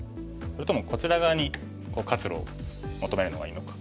それともこちら側に活路を求めるのがいいのか。